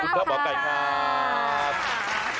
ขอบคุณค่ะหมอไก่ครับ